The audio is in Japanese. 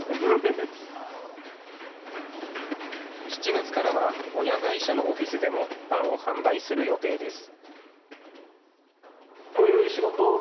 ７月からは親会社のオフィスでもパンを販売する予定です。